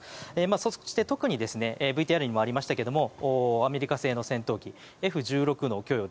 そして特にＶＴＲにもありましたがアメリカ製の戦闘機Ｆ１６の供与